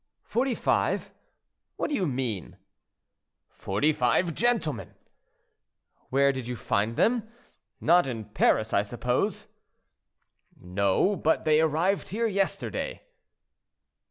"Forty five? What do you mean?" "Forty five gentlemen." "Where did you find them? Not in Paris, I suppose?" "No, but they arrived here yesterday."